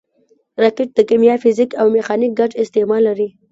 راکټ د کیمیا، فزیک او میخانیک ګډ استعمال لري